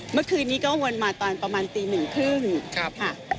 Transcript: เมื่อคืนนี้ก็วนมาตอนประมาณตี๑๓๐ค่ะ